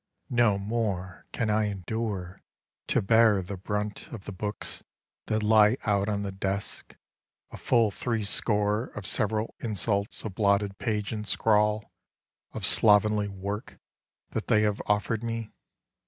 No more can I endure to bear the brunt Of the books that lie out on the desks: a full three score Of several insults of blotted page and scrawl Of slovenly work that they have offered me.